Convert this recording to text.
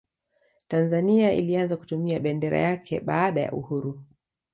tanzania ilianza kutumia bendera yake baada ya uhuru